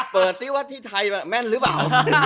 ซิว่าที่ไทยแม่นหรือเปล่า